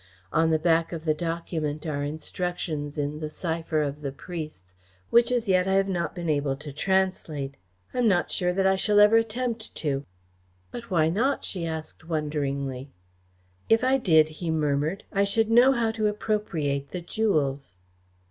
On the back of the document are instructions in the cipher of the priests, which as yet I have not been able to translate. I am not sure that I shall ever attempt to." "But why not?" she asked wonderingly. "If I did," he murmured, "I should know how to appropriate the jewels."